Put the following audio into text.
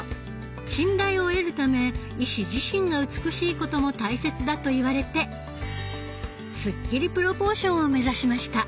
信頼を得るため医師自身が美しいことも大切だ」と言われてすっきりプロポーションを目指しました。